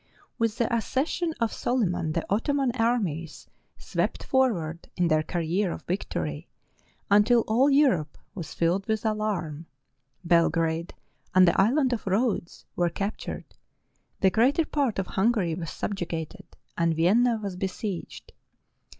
With the accession of Solyman the Ottoman armies swept forward in their career of victory until all Europe was filled with alarm. Belgrade and the Island of Rhodes were captured, the greater part of Hungary was subjugated, and Vienna was besieged.